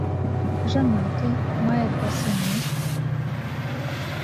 Жанаты, мае два сыны.